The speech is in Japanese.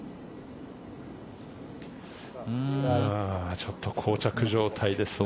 ちょっとこう着状態ですね。